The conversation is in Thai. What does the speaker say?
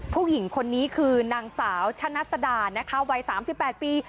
ผู้หญิงคนนี้คือนางสาวชะนัดสดานะคะวัยสามสิบแปดปี